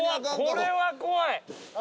これは怖い。